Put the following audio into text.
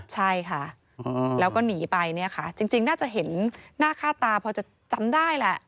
ใช่ค่ะแล้วก็หนีไปเนี่ยค่ะจริงน่าจะเห็นหน้าค่าตาพอจะจำได้แหละ